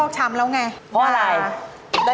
ใช่ครับ